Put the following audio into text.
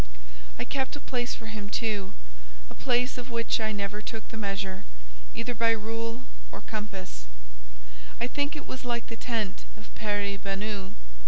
I kept a place for him, too—a place of which I never took the measure, either by rule or compass: I think it was like the tent of Peri Banou.